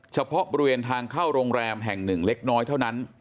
เฉพาะบริเวณทางเข้าโรงแรมแห่งหนึ่งเล็กน้อยเท่านั้น